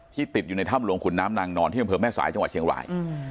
ติดอยู่ในถ้ำหลวงขุนน้ำนางนอนที่อำเภอแม่สายจังหวัดเชียงราย